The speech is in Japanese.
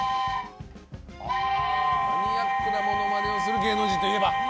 マニアックなモノマネをする芸能人といえば？